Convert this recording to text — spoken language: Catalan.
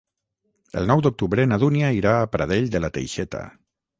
El nou d'octubre na Dúnia irà a Pradell de la Teixeta.